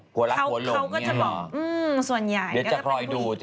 หัวลักหัวหลงเนี่ยเหรออืมส่วนใหญ่ก็จะเป็นผู้